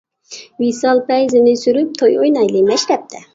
ۋىسال پەيزىنى سۈرۈپ، توي ئوينايلى مەشرەپتە.